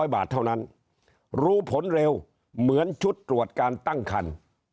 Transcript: ๐บาทเท่านั้นรู้ผลเร็วเหมือนชุดตรวจการตั้งคัน